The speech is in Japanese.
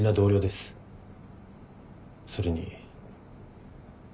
それに。